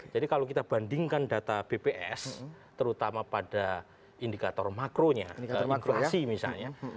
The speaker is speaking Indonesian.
jadi kalau kita bandingkan data bps terutama pada indikator makronya inflasi misalnya